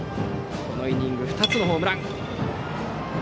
このイニング２つのホームラン。